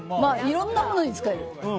いろんなものに使える。